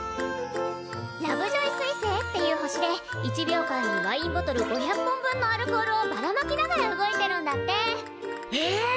ラブジョイすい星っていう星で１秒間にワインボトル５００本分のアルコールをばらまきながら動いてるんだって。え！？